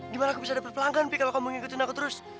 gimana aku bisa dapat pelanggan pi kalau kamu ngikutin aku terus